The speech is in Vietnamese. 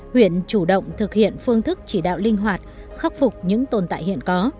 huyện chủ động thực hiện phương thức chỉ đạo linh hoạt khắc phục những tồn tại hiện có